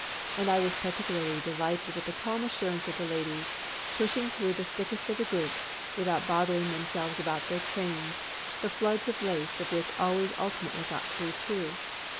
And I was particularly delighted with the calm assurance of the ladies, pushing through the thickest of the groups, without bothering themselves about their trains, the floods of lace of which always ultimately got through, too.